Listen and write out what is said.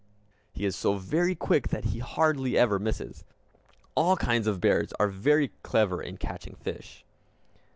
He is so very quick that he hardly ever misses. All kinds of bears are very clever in catching fish.